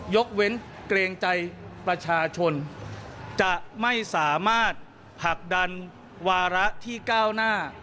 ยกเว้นเกรงใจประชาชนจะไม่สามารถผลักดันวาระที่ก้าวหน้า